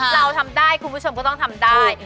เราทำได้คุณผู้ชมก็ต้องทำได้